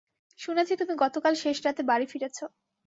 শুনেছি তুমি গতকাল শেষরাতে বাড়ি ফিরেছো।